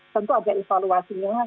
tentu ada evaluasinya